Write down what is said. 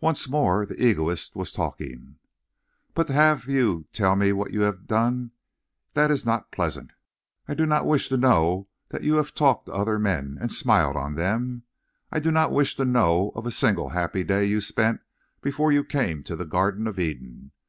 Once more the egoist was talking! "But to have you tell me of what you have done that is not pleasant. I do not wish to know that you have talked to other men and smiled on them. I do not wish to know of a single happy day you spent before you came to the Garden of Eden.